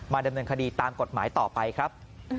ดำเนินคดีตามกฎหมายต่อไปครับ